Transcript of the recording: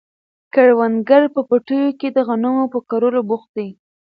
کروندګر په پټیو کې د غنمو په کرلو بوخت دي.